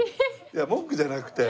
いや文句じゃなくて。